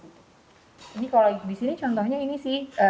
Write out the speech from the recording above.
ini kalau di sini contohnya ini sih